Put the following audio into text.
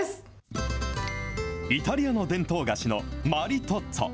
イタリアの伝統菓子のマリトッツォ。